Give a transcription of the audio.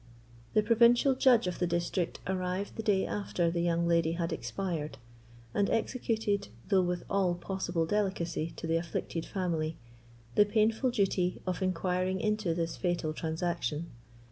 The provincial judge of the district arrived the day after the young lady had expired, and executed, though with all possible delicacy to the afflicted family, the painful duty of inquiring into this fatal transaction.